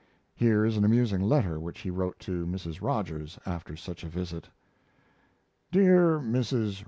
Here is an amusing letter which he wrote to Mrs. Rogers after such a visit: DEAR MRS.